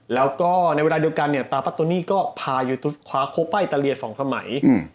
แล้วก็ในเวลาเดียวกันตราปัตโตนี่ก็พายูเอ็นตุ๊สคว้าโคป้าอิตาเลีย๒สมัย